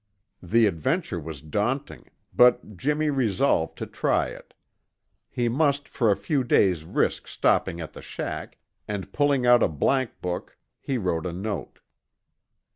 The adventure was daunting, but Jimmy resolved to try it. He must for a few days risk stopping at the shack, and pulling out a blank book, he wrote a note.